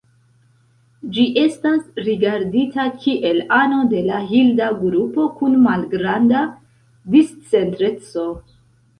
Ĝi estas rigardita kiel ano de la Hilda grupo kun malgranda discentreco.